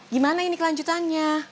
gimana ini kelanjutannya